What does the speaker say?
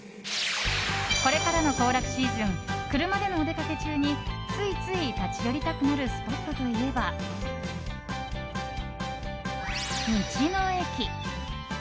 これからの行楽シーズン車でのお出かけ中についつい立ち寄りたくなるスポットといえば、道の駅。